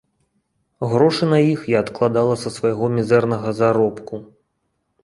Грошы на іх я адкладала са свайго мізэрнага заробку.